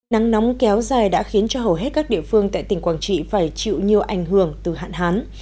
nắng nóng kéo dài đã khiến cho hầu hết các địa phương tại tỉnh quảng trị phải chịu nhiều ảnh hưởng từ hạn hán